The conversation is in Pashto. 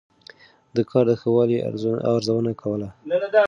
ده د کار د ښه والي ارزونه کوله.